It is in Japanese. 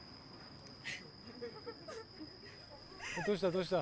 どうした？